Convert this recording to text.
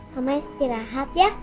mama istirahat ya